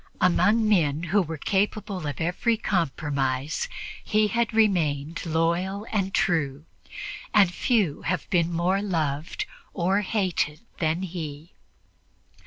Among men who were capable of every compromise he had remained loyal and true, and few have been more loved or hated than he.